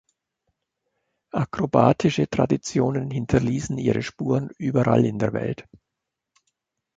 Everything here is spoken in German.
Akrobatische Traditionen hinterließen ihre Spuren überall in der Welt.